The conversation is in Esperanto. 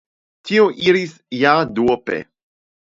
Ĉiuj iras ja duope.